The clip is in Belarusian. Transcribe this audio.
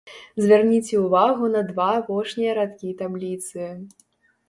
Звярніце ўвагу на два апошнія радкі табліцы.